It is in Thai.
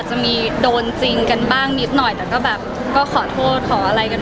จากนั้นค่อนข้างผิดเป็นที่พูดอื่น